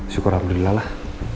syukur alhamdulillah lah